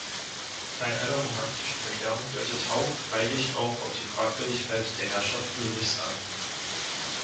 Bei aller romantischen Verklärung deutete Hauff freilich auch die Fragwürdigkeit der Herrschaft Ulrichs an.